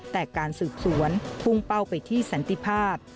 แต่การสืบสวนพุ่งเป้าไปที่สันติภาพ